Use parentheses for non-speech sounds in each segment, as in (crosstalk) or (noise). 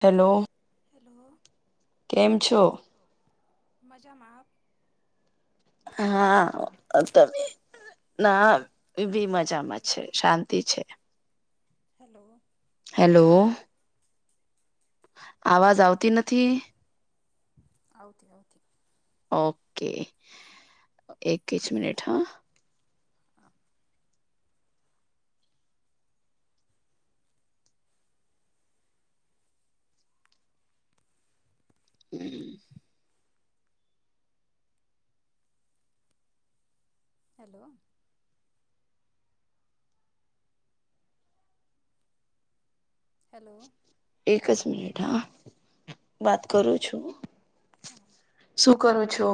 Hello hello કેમ છો? મજામાં હા અ તમે ના એ બી મજામાં હેલો છે, શાંતિ છે. હેલો હેલો આવાજ આવતી નથી? આવતી આવતી ઓકે એકી જ મિનિટ હહ હા હમ હલો હેલો એક જ મિનિટ હા. વાત કરું છું. હા શું કરો છો?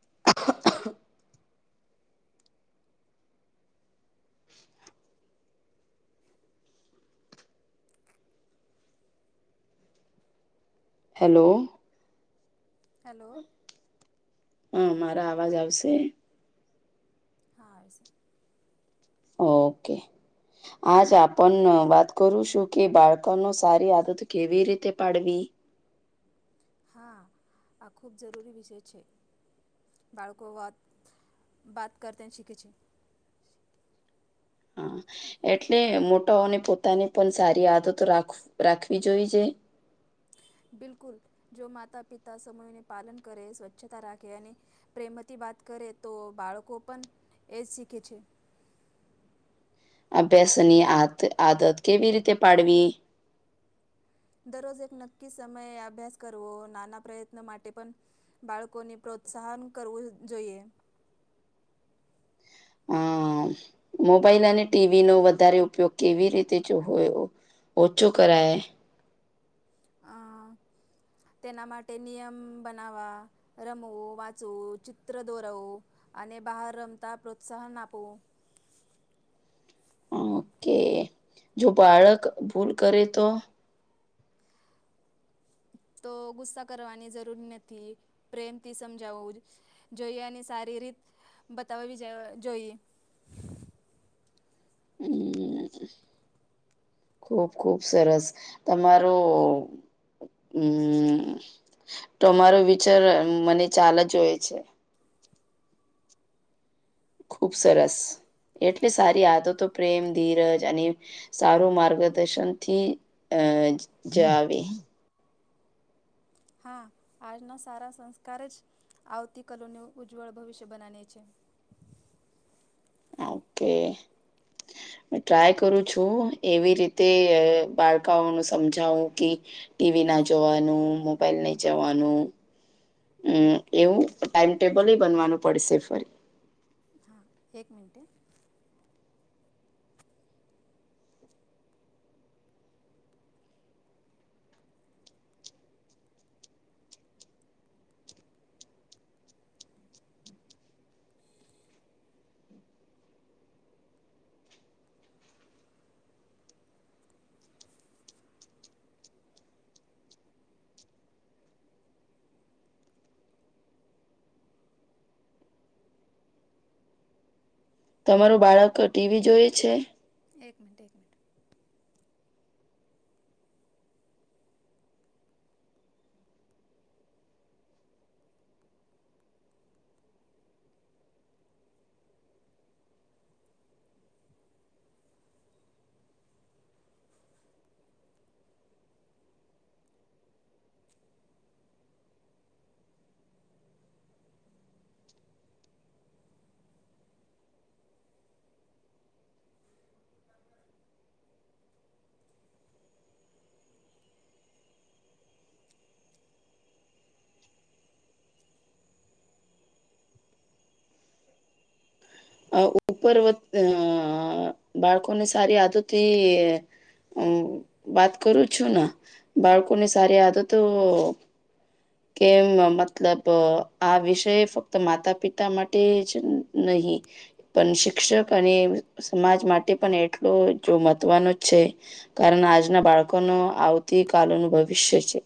(inaudible) હેલો હેલો હહ મારા આવાજ આવશે? હા આવે સે ઓકે આજ આપન વાત કરું છું કે બાળકોને સારી આદત કેવી રીતે પાડવી? (inaudible) હા આ ખૂબ જરૂરી વિષય છે. બાળકો વાત બાત કરતે ને શીખે છે. હ એટલે મોટાઓને પોતાને પન સારી આદતો રાખ રાખવી જોવી જોઈએ. બિલકુલ જો માતા પિતા સમયને પાલન કરે, સ્વચ્છતા રાખે અને પ્રેમવતી વાત કરે તો બાળકો પન એ જ શીખે છે. (inaudible) અભ્યાસની આત આદત કેવી રીતે પાડવી? દરોઝ એક નક્કી સમયે આભ્યાસ કરવો, નાના પ્રયત્ન માટે પન બાળકોને પ્રોત પ્રોત્સાહન કરવું જોઈએ. (inaudible) અ મોબાઈલ અને ટીવીનો વધારે ઉપયોગ કેવી રીતે જો હોયો? ઓછો કરાય અ (inaudible) તેના માટે નિયમ બનાવવા રમવું વાંચવું ચિત્ર દોરવું અને ને બહાર રમતા પ્રોત્સાહન આપવુ (inaudible) ઓકે જો બાળક ભૂલ કરે તો (inaudible) તો ગુસ્સા કરવાની જરૂર નથી પ્રેમથી સમજાવુ જ જો ઈ એની સારી રીત બતાવી અ જોઈએ (inaudible) એમ ખુબ ખુબ સરસ તમારો હમ તમારો વિચાર મને ચાલ જ હોય છે. ખુબ સરસ. એટલે સારી આદતો પ્રેમ ધીરજ અને, સારું માર્ગદર્શનથી અ જાવે. હા આજના સારા સંસ્કાર જ આવતી કલોનું ઉજ્જવળ ભવિષ્ય બનાને છે. (inaudible) ઓકે. ટ્રાય કરું છું એવી રીતે બાળકાઓનું સમજાવું કે ટીવી ના જોવાનું મોબાઈલ નહી જવાનુ. હમ એવું ટાઈમટેબલ બનવાનું પડશે ફરી. હા એક મિનટે. તમારું બાળક ટીવી જોએ છે. એક મિનટ એક મીનટ. ઉપર વ અઅ બાળકોને સારી આદતથી હમ્મ વાત કરું છું ને બાળકોની સારી આદતો કેમ મતલબ આ વિષય ફક્ત માતા પિતા માટે જ નહી પણ શિક્ષક અને સમાજ માટે પણ એટલો જો મહત્વનો છે કારણ આજના બાળકોનું આવતી કાલનું ભવિષ્ય છે.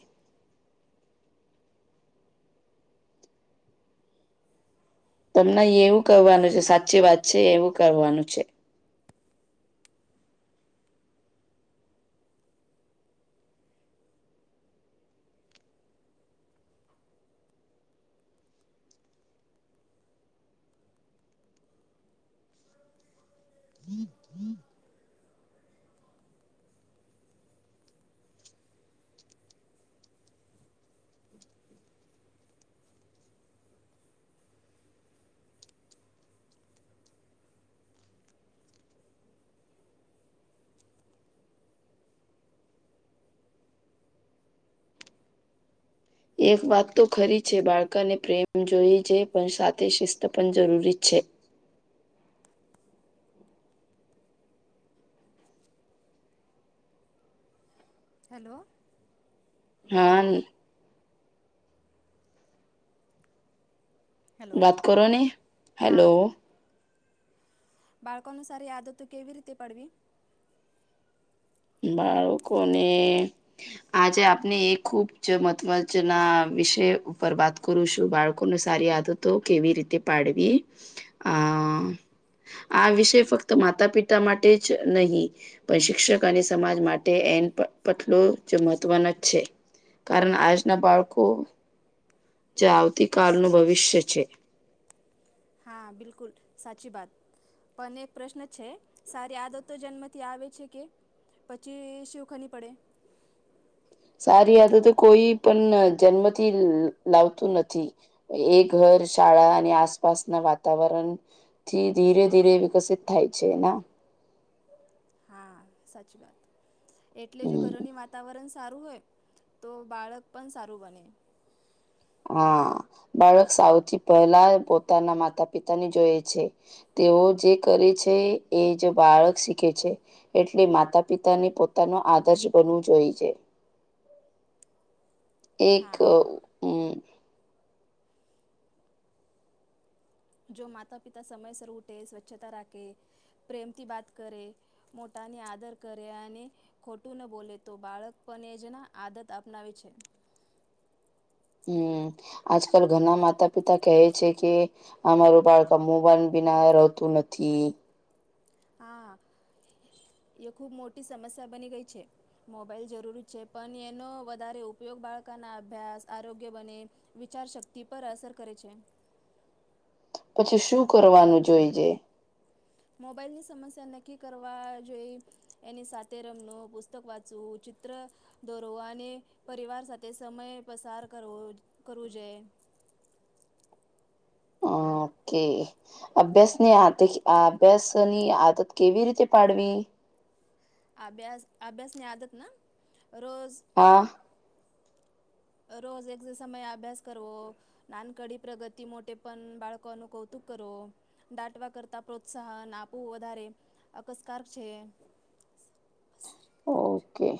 તમને યેવુ કરવાનુ છે સાચી વાત છે એવુ કરવાનુ છે. (inaudible) એક વાત તો ખરી છે બાળકાને પ્રેમ જોઈ છે પણ સાથે શિસ્ત પણ જરૂરી છે. (inaudible) હલો. હા. હેલો. વાત કરો ને હેલો. બાળકોનુ સારી આદત કેવી રીતે પડવી? બાળકોને આજે આપને એ ખુબ જ મતમજ ના વિશે ઉપર વાત કરું છું બાળકોને સારી આદતો કેવી રીતે પાડવી આ અ આ વિષય ફક્ત માતા પિતા માટે જ નહી પણ શિક્ષક અને સમાજ માટે એ પટલું જ મહત્વનું જ છે કારણ આજના બાળકો જે આવતીકાલનું ભવિષ્ય છે હા બિલકુલ સાચી બાત અને એક પ્રશ્ન છે સારી આદતો જન્મથી આવે છે કે પછી શીખવની પડે (inaudible) સારી આદતો કોઈ પણ જન્મથી લાવતું નથી એ ઘર શા ળા અને આસપાસના વાતાવરણ થી ધીરે ધીરે વિકસિત થાય છે ના (inaudible) હા સાચી વાત એટલે જો હમ ઘરોની વાતાવરણ સારું હોય તો બાળક પણ સારું બને હા બાળક સૌથી પહેલા પોતાના માતા પિતા ની જોય છે તેઓ જે કરે છે એ જ બાળક શીખે છે એટલે માતા પિતાને આદર્શ બનવું જોઈ છે એક હા જો માતા પિતા સમયસર ઉઠે સ્વચ્છતા રાખે પ્રેમ થી બાત કરે મોટા ને આદર કરે અને ખોટું ન બોલે તો બાળક પણને એ જ આદત અપનાવે છે આજકાલ ઘના માતા પિતા કહે છે કે અમારું બાળકા મોબાઈલ બિના રહતું નથી હા એ ખુબ મોટી સમસ્યા બની ગઈ છે મોબાઈલ જરૂરી છે પણ એનો વધારે ઉપયોગ બાળ કો ના અભ્યાસ આરોગ્ય બને વિચારશક્તિ પર અસર કરે છે પછી શું કરવાનું જોઈજે મોબાઈલની સમસ્યા નક્કી કરવા જોઈ એની સાથે રમવુ પુસ્તક વાચવું ચિત્ર દોરવો અને પરિવાર સાથે સમય પસાર કરવો જોઈએ ઓકે અભ્યાસની આ અભ્યાસ ની આદત કેવી રીતે પાડવી અભ્યાસ અભ્યાસ ને આદત ના રોજ હા રોજ એક જે સમયે અભ્યાસ કરવો નાનકડી પ્રગતિ માટે પણ બાળકો ન કું કરો દાટવા કરતા પ્રોત્સાહન આપવું વધારે અકસ્કાર છે ઓકે.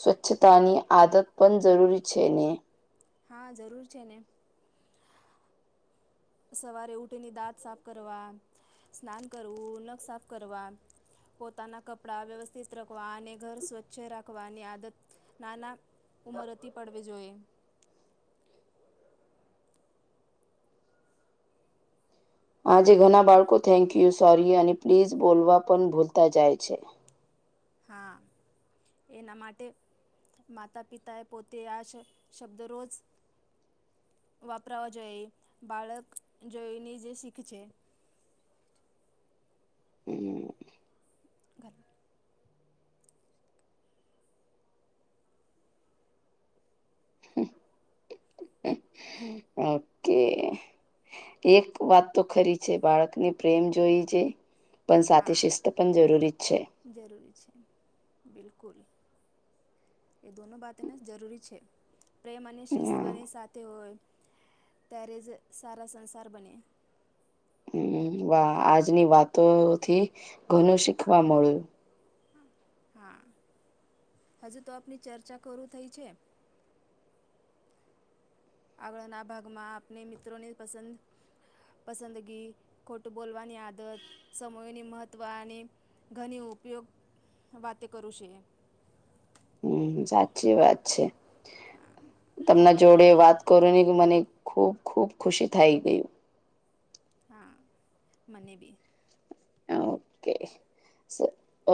સ્વચ્છતાની આદત પણ જરૂરી છે ને. હા જરૂર છે ને. સવારે ઉઠીને દાંત સાફ કરવા, સ્નાન કરવું નખ સાફ કરવા. પોતાના કપડાં વ્યવસ્થિત રખવા અને ઘર સ્વચ્છ રાખવાની આદત, નાના ઉંમર હતી પાડવી જોઈએ. (inaudible) આજે ઘણા બાળકો થેન્ક યુ સોરી અને પ્લીઝ બોલવા પણ ભૂલતા જાય છે હા એના માટે માતા પિતાએ પોતે આ શબ્દ રોજ વાપરાવા જોઈએ બાળક જોઈને જે શીખ છે હમ્મ (inaudible) ઓકે એક વાત તો ખરી છે બાળકને પ્રેમ જોઈ છે પણ સાથે હા શિસ્ત પણ જરૂરી જ છે જરૂરી છે બિલકુલ એ દોનો વાત એને જરૂરી છે પ્રેમ અને શિસ્ત બને સાથે હોય. ત્યારે જ સારા સંસાર બને. હમ વાહ આજની વાતો થી, ઘણું શીખવા મળ્યું. હા, હજુ તો આપની ચર્ચા ખરું થઇ છે. આગળના ભાગમાં આપણે મિત્રોને પસંદ પસંદગી ખોટું બોલવાની આદત સમયની મહત્વની ઘણી ઉપયોગ વાતે કરું છે. હમ સાચી વાત છે, હા તમના જોડે વાત કરો ની મને ખૂબ ખૂબ ખુશી થઈ ગય. હા, મને બી. હ ઓકે.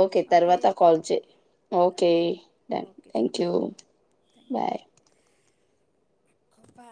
ઓકે તરવાતા કોલ છે ઓકે ડન ઓકે ચલો thank bye you. Thank bye. By.